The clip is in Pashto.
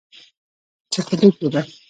چې په دې توګه